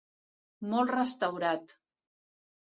Molt restaurat.